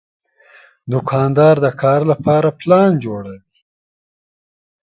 دوکاندار د کار لپاره پلان جوړوي.